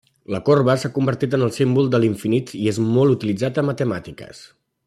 La corba s'ha convertit en el símbol de l'infinit i és molt utilitzat a matemàtiques.